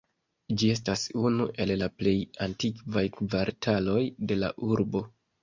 Ĝi estas unu el la plej antikvaj kvartaloj de la urbo.